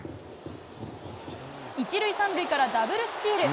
１塁３塁からダブルスチール。